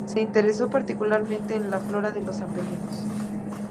Se interesó particularmente en la flora de los Apeninos.